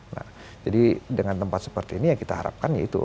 nah jadi dengan tempat seperti ini yang kita harapkan yaitu